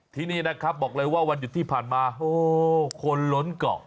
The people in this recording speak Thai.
ที่นี่นะครับบอกเลยว่าวันหยุดที่ผ่านมาโอ้คนล้นเกาะ